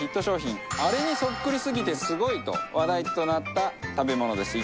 あれにそっくりすぎてすごいと話題となった食べ物です。